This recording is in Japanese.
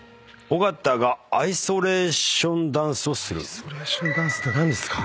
アイソレーションダンスって何ですか？